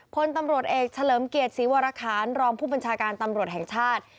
พลตำรวจเอกเฉลิมเกียรติศรีวรคารรองผู้บัญชาการตำรวจแห่งชาติ